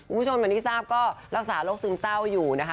คุณผู้ชมอย่างที่ทราบก็รักษาโรคซึมเศร้าอยู่นะคะ